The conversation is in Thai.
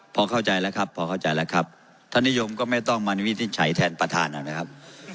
พอเข้าใจแล้วครับพอเข้าใจแล้วครับท่านนิยมก็ไม่ต้องมาวินิจฉัยแทนประธานนะครับ